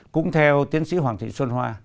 cũng theo tiến sĩ hoàng thị xuân hoa